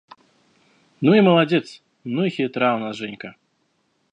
– Ну и молодец, ну и хитра у нас Женька!